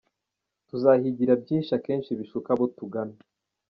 Tuzahigira byinshi akenshi bishuka abo tungana.